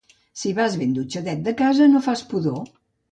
Si vas ben dutxadet de casa, no fas pudor.